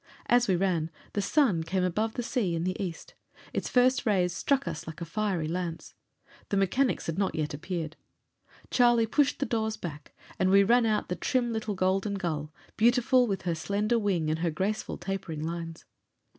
As we ran the sun came above the sea in the east: its first rays struck us like a fiery lance. The mechanics had not yet appeared. Charlie pushed the doors back, and we ran out the trim little Golden Gull, beautiful with her slender wing and her graceful, tapering lines.